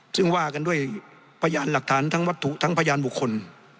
ซึ่งว่ากันด้วยพยานหลักฐานทั้งวัตถุทั้งพยานบุคคล